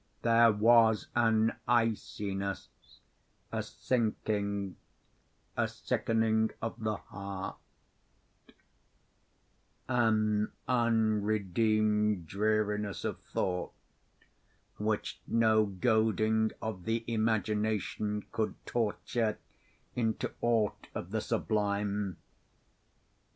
There was an iciness, a sinking, a sickening of the heart—an unredeemed dreariness of thought which no goading of the imagination could torture into aught of the sublime.